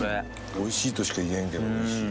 おいしいとしか言えんけどおいしい。